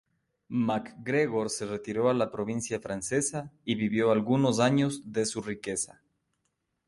MacGregor se retiró a la provincia francesa y vivió algunos años de su riqueza.